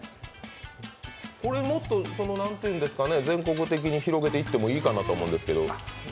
全国的に広げていってもいいかなと思うんですけど。